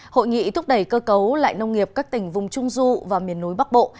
hội nghị thúc đẩy cơ cấu lại nông nghiệp các tỉnh vùng trung du và miền núi bắc bộ